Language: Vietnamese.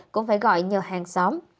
cũng phải gọi nhờ hàng xóm